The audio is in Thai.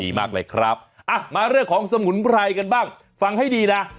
มากเลยครับอ่ะมาเรื่องของสมุนไพรกันบ้างฟังให้ดีนะ